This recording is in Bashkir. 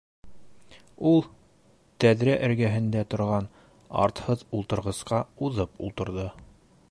Ул тәҙрә эргәһендә торған артһыҙ ултырғысҡа уҙып ултырҙы.